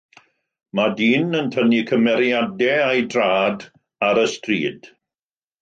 Mae dyn yn tynnu cymeriadau â'i draed ar y stryd.